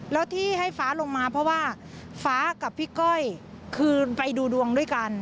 แล้วที่ให้ฟ้าลงมาเพราะว่าฟ้ากับพี่ก้อยคือไปดูดวงด้วยกัน